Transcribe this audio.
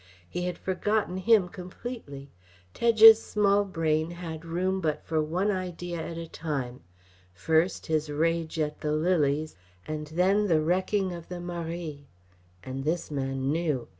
He had forgotten him completely. Tedge's small brain had room but for one idea at a time: first his rage at the lilies, and then the wrecking of the Marie. And this man knew.